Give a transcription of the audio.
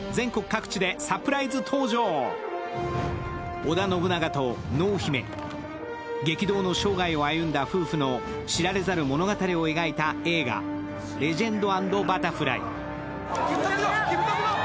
織田信長と濃姫、激動の生涯を歩んだ知られざる物語を描いた映画「レジェンド＆バタフライ」。